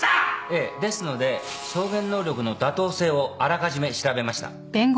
ええですので証言能力の妥当性をあらかじめ調べました。